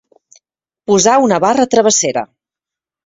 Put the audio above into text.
Posar una barra travessera.